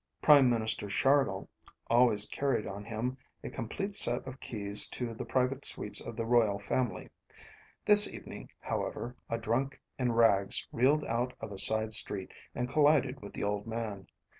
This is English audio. Prime Minister Chargill always carried on him a complete set of keys to the private suites of the royal family. This evening, however, a drunk in rags reeled out of a side street and collided with the old man.